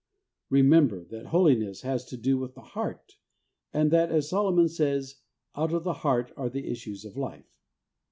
Remember that Holiness has to do with the heart, and that, as Solomon says, ' Out of the heart are the issues of life.